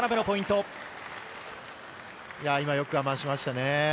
今よく我慢しましたね。